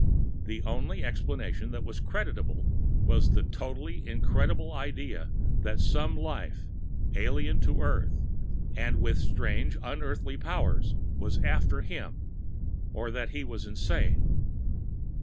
The only explanation that was credible was the totally incredible idea that some life, alien to earth and with strange unearthly powers, was after him or that he was insane.